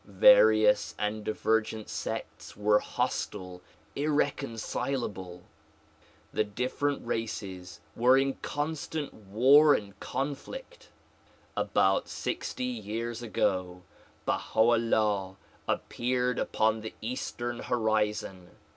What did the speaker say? Various and divergent sects were hostile, irreconcilable. The different races were in constant war and conflict. About sixty years ago BaHxV 'Ullah appeared upon the eastern horizon.